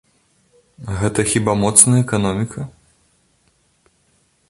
Гэта хіба моцная эканоміка?